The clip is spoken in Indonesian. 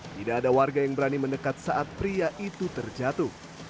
tidak ada warga yang berani mendekat saat pria itu terjatuh